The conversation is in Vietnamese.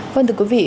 vâng thưa quý vị